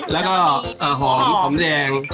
แล้วก็หอมหอมแดง